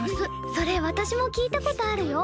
それ私も聞いたことあるよ。